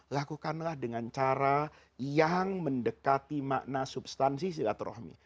lakukanlah dengan cara yang mendekati makna substansi silaturahmi